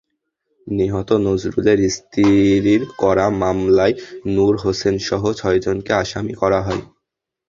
নিহত নজরুলের স্ত্রীর করা মামলায় নূর হোসেনসহ ছয়জনকে আসামি করা হয়।